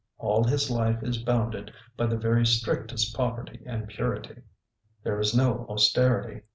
All his life is bounded by the very strictest poverty and purity. There is no austerity.